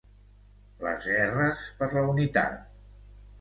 Les guerres per la unitat.